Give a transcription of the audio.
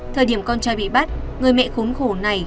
thời điểm con trai bị bắt người mẹ khốn khổ này